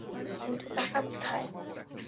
ঠিক আছে, কিন্তু টাকা কোথায়?